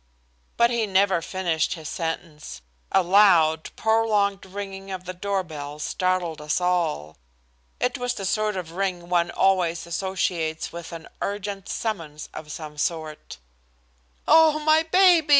But he never finished his sentence. A loud, prolonged ringing of the doorbell startled us all. It was the sort of ring one always associates with an urgent summons of some sort. "Oh! my baby.